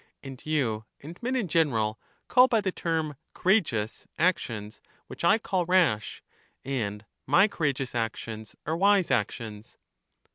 And you, and men in general, call by the term " courageous " ac tions which I call rash, and my courageous actions are wise actions.